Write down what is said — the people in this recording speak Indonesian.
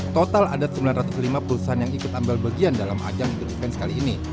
total ada sembilan ratus lima perusahaan yang ikut ambil bagian dalam ajang defense kali ini